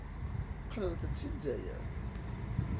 Qqlent-d seg Lezzayer.